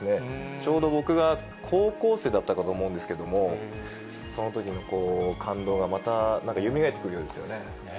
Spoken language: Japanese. ちょうど僕が高校生だったかと思うんですけれども、そのときの感動がまた、よみがえってくるようですよね。